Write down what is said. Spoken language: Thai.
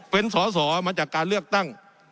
เป็นสอสอมาจากการเลือกตั้ง